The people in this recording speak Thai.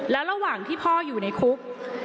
และระหว่างที่พ่ออยู่ในคุก